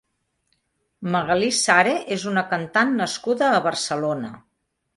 Magalí Sare és una cantant nascuda a Barcelona.